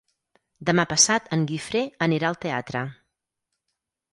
Demà passat en Guifré anirà al teatre.